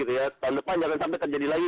tahun depan jangan sampai terjadi lagi